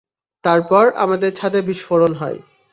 তারপর, আমাদের ছাদে বিস্ফোরন হয়।